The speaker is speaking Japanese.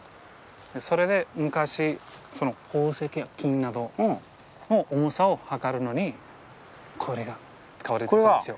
それで昔宝石や金などの重さを量るのにこれが使われてたんですよ。